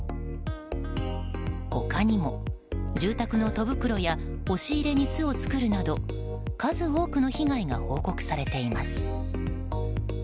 他にも、住宅の戸袋や押し入れに巣を作るなど数多くの被害が報告されています。